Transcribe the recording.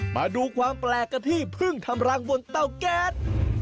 มาดูความแปลกกันที่เพิ่งทำรังบนเตาแก๊ส